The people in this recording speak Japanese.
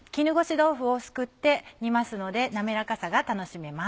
豆腐をすくって煮ますので滑らかさが楽しめます。